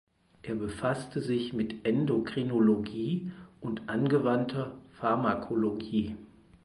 Er befasste sich mit Endokrinologie und angewandter Pharmakologie.